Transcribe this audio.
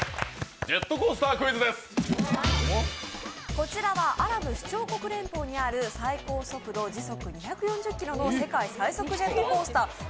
こちらはアラブ首長国連邦にある最高速度時速２４０キロの世界最速コースターです。